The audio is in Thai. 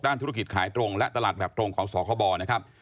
ธุรกิจขายตรงและตลาดแบบตรงของสคบนะครับ